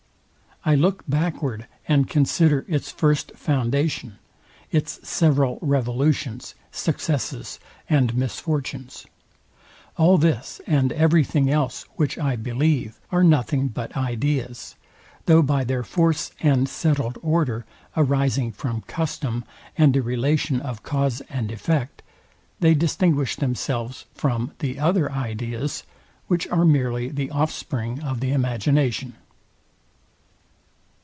I look backward and consider its first foundation; its several revolutions, successes, and misfortunes. All this, and everything else, which I believe, are nothing but ideas; though by their force and settled order, arising from custom and the relation of cause and effect, they distinguish themselves from the other ideas, which are merely the offspring of the imagination.